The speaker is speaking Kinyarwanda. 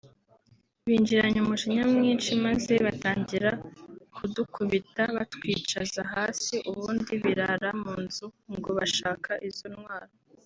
Binjiranye umujinya mwinshi maze batangira kudukubita batwicaza hasi ubundi birara mu nzu ngo bashaka izo ntwaro